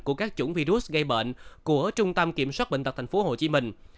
của các chủng virus gây bệnh của trung tâm kiểm soát bệnh tật thành phố hồ chí minh